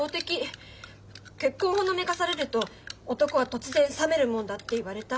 結婚ほのめかされると男は突然冷めるもんだって言われた。